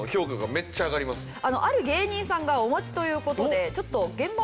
ある芸人さんがお待ちという事でちょっと。